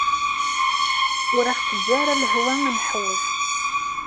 Ur aɣ-teǧǧa ara lehwa ad nḥewwes.